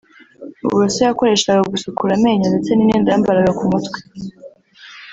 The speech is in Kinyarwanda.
uburoso yakoreshaga gusukura amenyo ndetse n’imyenda yambaraga ku mutwe